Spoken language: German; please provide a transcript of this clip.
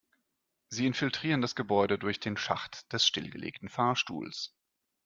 Sie infiltrieren das Gebäude durch den Schacht des stillgelegten Fahrstuhls.